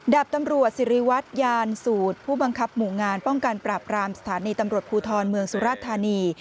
ดาบตำรวจสิริวัตรยานสูตรผู้บังคับหมู่งานป้องกันปราบรามสถานีตำรวจภูทรเมืองสุราธานี